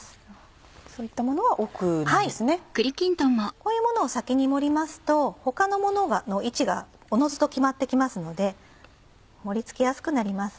こういうものを先に盛りますと他のものの位置がおのずと決まって来ますので盛りつけやすくなります。